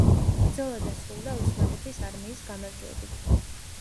ბრძოლა დასრულდა ოსმალეთის არმიის გამარჯვებით.